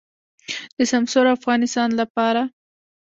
د سمسور افغانستان لپاره.